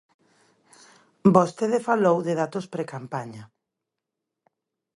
Vostede falou de datos precampaña.